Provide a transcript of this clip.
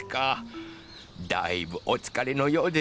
だいぶおつかれのようですね。